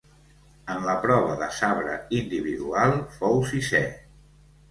En la prova de sabre individual fou sisè.